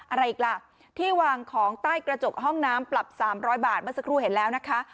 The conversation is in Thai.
อะไรอีกล่ะที่วางของใต้กระจกห้องน้ำปรับ๓๐๐บาทเมื่อสักครู่เห็นแล้วนะคะ